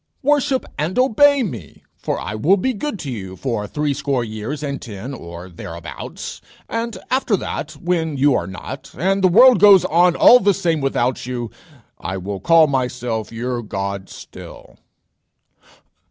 Worship and obey me, for I will be good to you for threescore years and ten, or thereabouts; and after that, when you are not, and the world goes on all the same without you, I will call myself your God still."